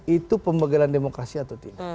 itu pembegalan demokrasi atau tidak